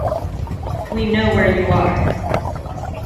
We know where you are.